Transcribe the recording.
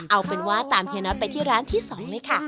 เอาเป็นว่าตามเฮียน็อตไปที่ร้านที่๒เลยค่ะ